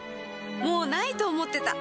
もう無いと思ってた